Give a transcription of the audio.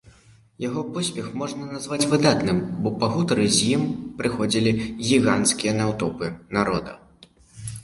Яго поспех можна назваць выдатным, бо пагутарыць з ім прыходзілі гіганцкія натоўпы народа.